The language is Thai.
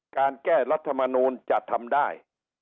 การแก้รัฐมนูลจะทำได้